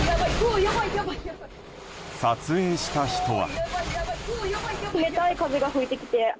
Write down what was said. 撮影した人は。